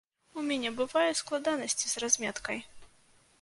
У мяне бывае складанасці з разметкай.